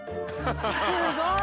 すごい。